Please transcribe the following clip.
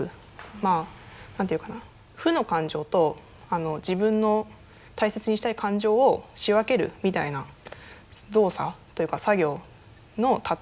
まあ何て言うかな負の感情と自分の大切にしたい感情を仕分けるみたいな動作というか作業の例えでザルって言ってます。